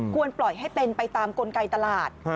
ปล่อยให้เป็นไปตามกลไกตลาด